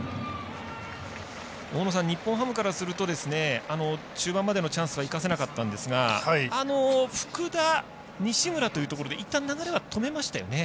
大野さん、日本ハムからすると中盤までのチャンスが生かせなかったんですが福田、西村というところでいったん流れは止めましたね。